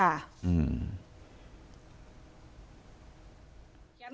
อ่าอื้ม